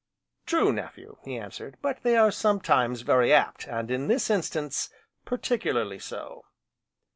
"True, nephew," he answered, "but they are sometimes very apt, and in this instance, particularly so."